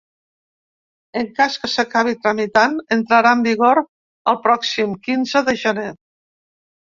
En cas que s’acabi tramitant, entrarà en vigor el pròxim quinze de gener.